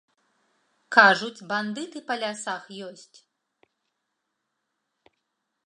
Кажуць, бандыты па лясах ёсць.